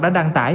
đã đăng tải